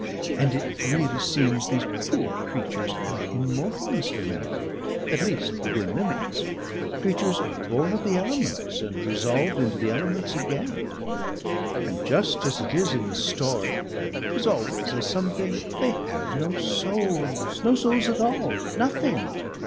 And it really seems these poor creatures are Immortal, Mr. Melville at least within limits creatures born of the elements and resolved into the elements again and just as it is in the story there's always a something they have no Souls! No Souls at all! Nothing!